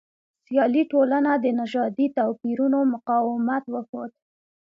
سیالي ټولنه د نژادي توپیرونو مقاومت وښود.